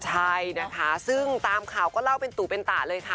ใช่นะคะซึ่งตามข่าวก็เล่าเป็นตู่เป็นตะเลยค่ะ